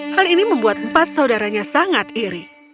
hal ini membuat empat saudaranya sangat iri